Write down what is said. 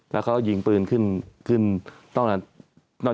แล้วเขายิงปืนขึ้นต้อนอาทิตย์